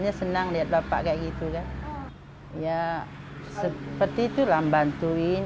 ya seperti itulah membantuin